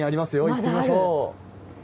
行ってみましょう。